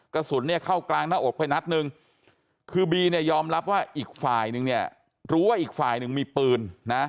กระสุนเข้ากลางหน้าอดไปนัดนึงคือบียอมรับว่าอีกฝ่ายนึงรู้ว่าอีกฝ่ายนึงมีปืน